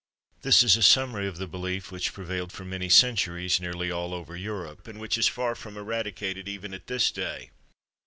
This is a summary of the belief which prevailed for many centuries nearly all over Europe, and which is far from eradicated even at this day.